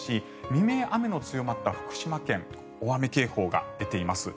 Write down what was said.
未明、雨が強まった福島県大雨警報が出ています。